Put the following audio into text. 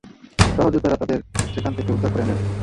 সহযোদ্ধারা তাদের সেখান থেকে উদ্ধার করে আনেন।